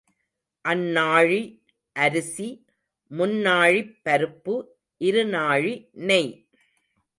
அந்நாழி அரிசி, முந்நாழிப் பருப்பு, இருநாழி நெய்.